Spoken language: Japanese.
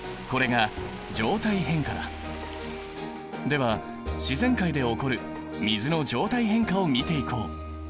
では自然界で起こる水の状態変化を見ていこう！